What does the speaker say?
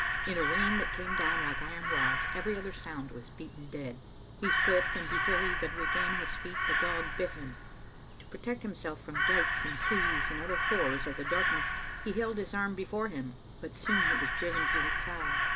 In a rain that came down like iron rods every other sound was beaten dead. He slipped, and before he could regain his feet the dog bit him. To protect himself from dikes and trees and other horrors of the darkness he held his arm before him, but soon it was driven to his side.